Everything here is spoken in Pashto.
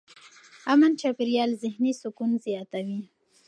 امن چاپېریال ذهني سکون زیاتوي.